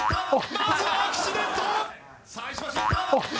まずはアクシデント！